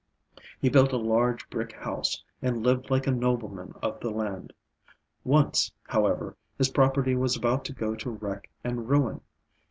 He built a large brick house, and lived like a nobleman of the land. Once, however, his property was about to go to wreck and ruin.